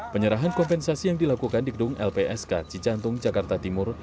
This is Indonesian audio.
penyerahan kompensasi yang dilakukan di gedung lpsk cicantung jakarta timur